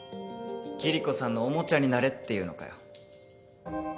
キリコさんのおもちゃになれっていうのかよ？